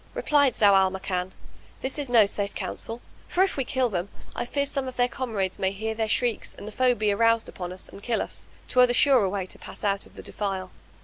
Replied Zau al Makan, "This is no safe counsel for if we kill them, I fear some of their comrades may hear their shrieks and the foe be aroused upon us and kill us. 'Twere the surer way to pass out of the defile."